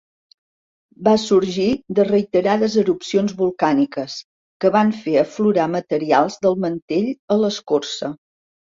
Va sorgir de reiterades erupcions volcàniques, que van fer aflorar materials del mantell a l'escorça.